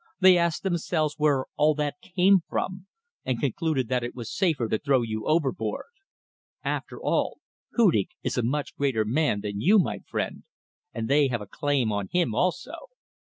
They asked themselves where all that came from, and concluded that it was safer to throw you overboard. After all, Hudig is a much greater man than you, my friend, and they have a claim on him also."